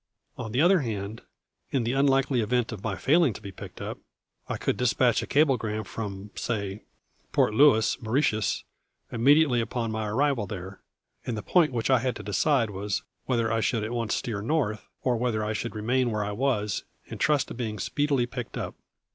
On the other hand, in the unlikely event of my failing to be picked up, I could dispatch a cablegram from, say, Port Louis, Mauritius, immediately upon my arrival there; and the point which I had to decide was whether I should at once steer north, or whether I should remain where I was, and trust to being speedily picked up.